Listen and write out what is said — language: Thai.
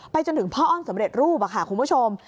จนถึงพ่ออ้อมสำเร็จรูปค่ะคุณผู้ชม